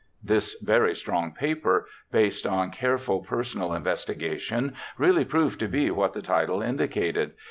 This very strong paper, based on careful personal investigations, really proved to be what the title indicated.